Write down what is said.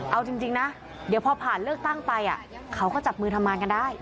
เอาจริงนะเดี๋ยวพอผ่านเลือกตั้งไปเขาก็จับมือทำงานกันได้